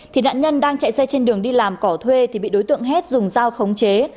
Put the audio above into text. thì nạn nhân đang chạy xe trên đường đi làm cỏ thuê thì bị đối tượng hết dùng dao khống chế